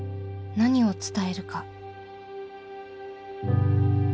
何を伝えるか？